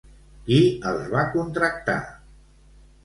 Qui els va contractar?